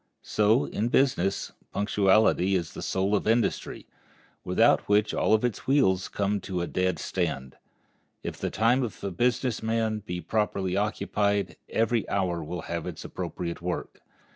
So, in business, punctuality is the soul of industry, without which all its wheels come to a dead stand. If the time of a business man be properly occupied every hour will have its appropriate work.